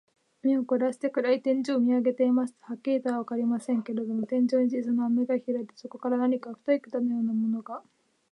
目をこらして、暗い天井を見あげていますと、はっきりとはわかりませんけれど、天井に小さな穴がひらいて、そこから何か太い管のようなものが、